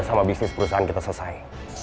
sama bisnis perusahaan kita selesai